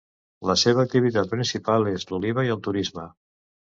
La seva activitat principal és l'oliva i el turisme.